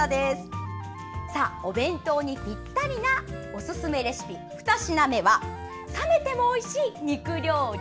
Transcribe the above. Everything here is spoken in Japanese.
さあ、お弁当にぴったりなおすすめレシピ、２品目は冷めてもおいしい肉料理。